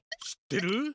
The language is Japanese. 知ってる？